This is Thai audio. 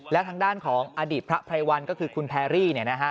และทางด้านของอดีตพระไพรวัลก็คือคุณแพรรี่